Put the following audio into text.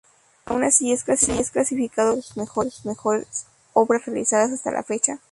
Aun así, es calificado como una de sus mejores obras realizadas hasta la fecha.